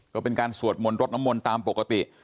ก็เป็นการสวดมนต์รดน้ำมนต์ตามปกติ